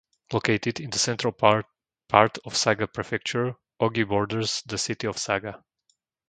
Located in the central part of Saga Prefecture, Ogi borders the city of Saga.